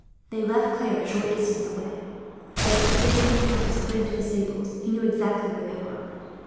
They left Claire a short distance away. As Pierre had seen the horses put into the stables, he knew exactly where they were.